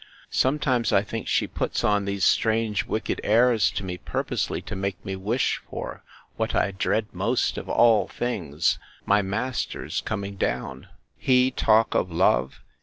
Sometimes I think she puts on these strange wicked airs to me, purposely to make me wish for, what I dread most of all things, my master's coming down. He talk of love!